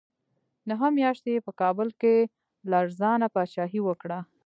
نهه میاشتې یې په کابل کې لړزانه پاچاهي وکړه.